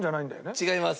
違います。